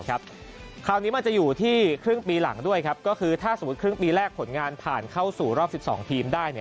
คราวนี้มันจะอยู่ที่ครึ่งปีหลังด้วยครับก็คือถ้าสมมุติครึ่งปีแรกผลงานผ่านเข้าสู่รอบ๑๒ทีมได้